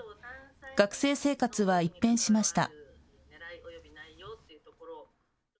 学生生活は一変しました。